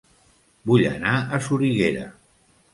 Vull anar a Soriguera